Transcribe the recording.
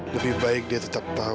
lebih baik dia tetap paham